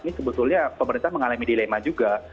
ini sebetulnya pemerintah mengalami dilema juga